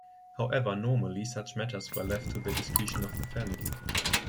However, normally such matters were left to the discretion of the family.